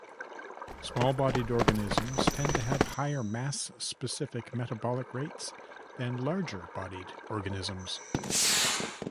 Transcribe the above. Small-bodied organisms tend to have higher mass-specific metabolic rates than larger-bodied organisms.